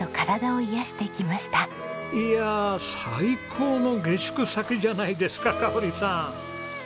いや最高の下宿先じゃないですか香さん！